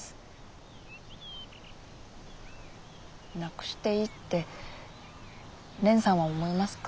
なくしていいって蓮さんは思いますか？